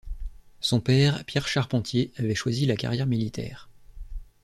Son père, Pierre Charpentier, avait choisi la carrière militaire.